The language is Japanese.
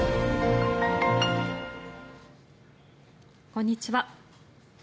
こんにちは。